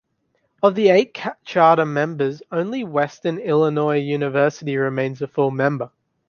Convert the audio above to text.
Of the eight charter members, only Western Illinois University remains a full member.